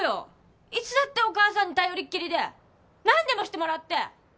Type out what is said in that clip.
・いつだってお母さんに頼りっきりで何でもしてもらって！